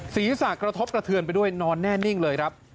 สีสะกระทบกระเทือนไปด้วยนอนแน่นิ่งเลย